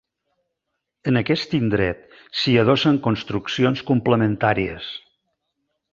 En aquest indret s'hi adossen construccions complementàries.